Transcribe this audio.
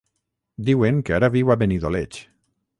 Diuen que ara viu a Benidoleig.